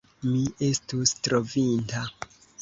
Mi estus trovinta!